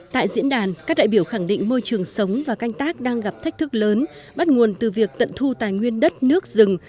tại diễn đàn các đại biểu khẳng định môi trường sống và canh tác đang gặp thách thức lớn bắt nguồn từ việc tận thu tài nguyên đất nước rừng